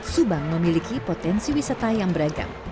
subang memiliki potensi wisata yang beragam